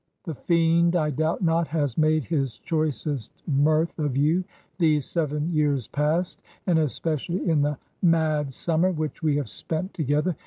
The fiend, I doubt not, has made his choicest mirth of you, these seven years past, and especially in the mad summer which we have spent together.